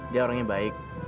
dia orangnya baik